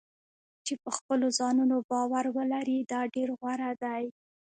چې په خپلو ځانونو باور ولري دا ډېر غوره دی.